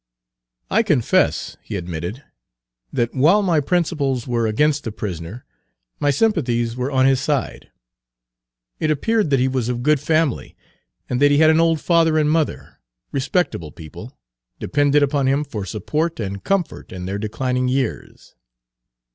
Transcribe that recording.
"I confess," he admitted, "that while my principles were against the prisoner, my sympathies were on his side. It appeared that he was of good family, and that he had an old father and mother, respectable people, dependent Page 171 upon him for support and comfort in their declining years.